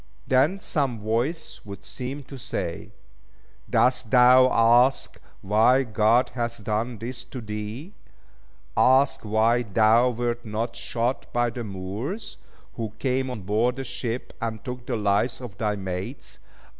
Then some voice would seem to say, "Dost thou ask why God hath done this to thee? Ask why thou wert not shot by the Moors, who came on board the ship, and took the lives of thy mates.